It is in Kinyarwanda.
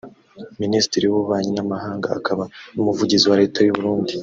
Minisitiri w’Ububanyi n’Amahanga akaba n’Umuvugizi wa Leta y’u Burundi